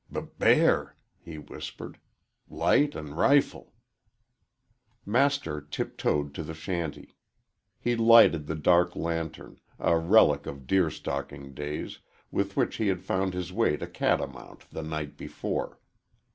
"B bear!" he whispered. "Light an' rifle." Master tiptoed to the shanty. He lighted the dark lantern a relic of deer stalking days with which he had found his way to Catamount the night before.